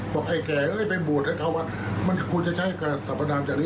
บอกไอ้แก่เอ้ยไปบวชให้เขาว่า